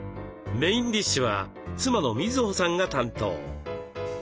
メインディッシュは妻の瑞穂さんが担当。